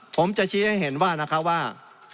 ผมจะชี้ให้เห็นว่านะคะว่า